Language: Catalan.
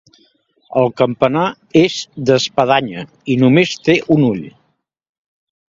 El campanar és d'espadanya i només té un ull.